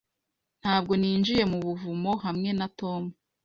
Ntabwo ninjiye mu buvumo hamwe na Tom.